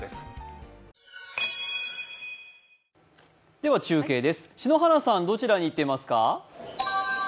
では中継です、篠原さんどちらに行っていますか？